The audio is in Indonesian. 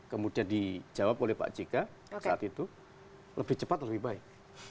kemudian dijawab oleh pak jk saat itu lebih cepat lebih baik